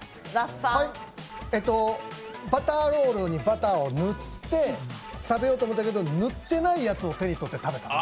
バターロールにバターを塗って食べようと思ったけど塗ってないやつを手に取って食べた。